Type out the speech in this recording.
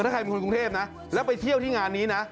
ถ้าใครเป็นคนกรุงเทพนะแล้วไปเที่ยวที่งานนี้นะ